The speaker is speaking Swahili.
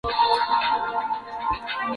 mcheza kriketi timu ya india jana